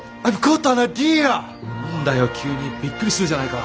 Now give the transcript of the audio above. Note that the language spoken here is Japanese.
何だよ急にびっくりするじゃないか。